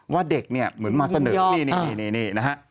ว่าเด็กเนี่ยเหมือนมาเสนอนี่นะฮะ